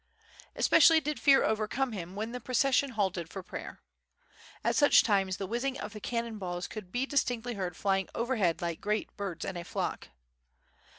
Especially did fear overcome him when the procession halted for prayer. At such times the whizz ing of the cannon balls could be distinctly heard flying over head like great birds in a flock.